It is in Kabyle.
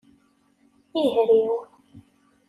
Ihriw.